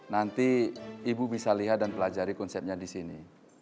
nanti ibu bisa lihat dan pelajari konsepnya disini